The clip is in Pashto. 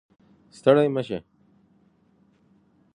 ستړی مشې